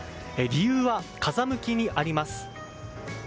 理由は、風向きにあります。